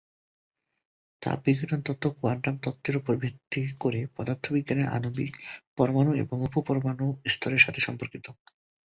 তাপ বিকিরণ তত্ত্ব কোয়ান্টাম তত্ত্বের উপর ভিত্তি করে, পদার্থবিজ্ঞানের আণবিক, পরমাণু এবং উপ-পরমাণু স্তরের সাথে সম্পর্কিত।